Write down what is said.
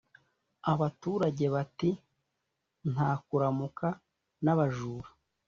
abaturage Bati: "Nta kuramuka n' abajura!"